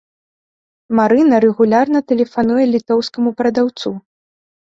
Марына рэгулярна тэлефануе літоўскаму прадаўцу.